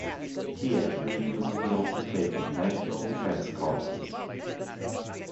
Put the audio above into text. He had previously also taken National Defense courses.